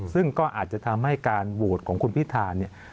ซึ่งก็อาจจะทำให้การโหวตของคุณพิธาเนี่ย